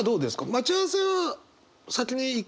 待ち合わせは先に行く？